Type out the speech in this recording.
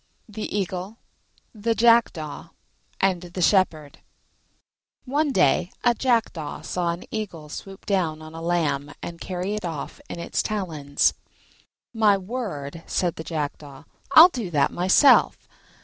THE EAGLE, THE JACKDAW, AND THE SHEPHERD One day a Jackdaw saw an Eagle swoop down on a lamb and carry it off in its talons. "My word," said the Jackdaw, "I'll do that myself."